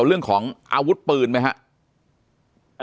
กับเรื่องของอาวุธปืนปุ่นมั้ย